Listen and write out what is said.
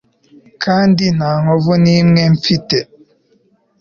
Kandi nta nkovu nimwe mfite